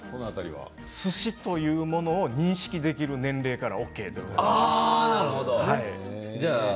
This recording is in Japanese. すしというものを認識できる年齢からＯＫと。